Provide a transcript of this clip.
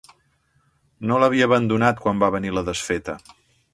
No l'havia abandonat quan va venir la desfeta